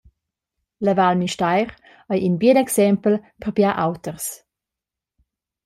La Val Müstair ei in bien exempel per biars auters.